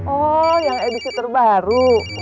oh yang edisi terbaru